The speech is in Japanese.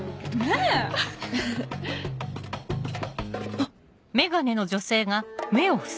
あっ。